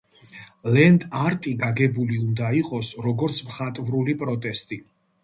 ლენდ-არტი გაგებული უნდა იყოს როგორც მხატვრული პროტესტი.